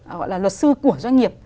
gọi là luật sư của doanh nghiệp